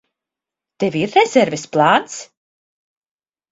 Tev ir rezerves plāns?